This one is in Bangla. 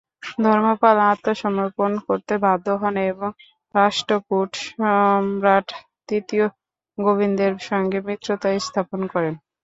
ধর্মপাল আত্মসমর্পণ করতে বাধ্য হন এবং রাষ্ট্রকূট সম্রাট তৃতীয় গোবিন্দের সঙ্গে মিত্রতা স্থাপন করেন।